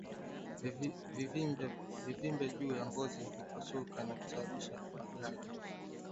Vivimbe juu ya ngozi hupasuka na kusababisha magaga